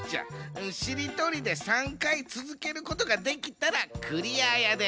しりとりで３かいつづけることができたらクリアやで。